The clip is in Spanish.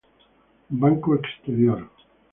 Banco Exterior